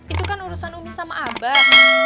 itu kan urusan umi sama abah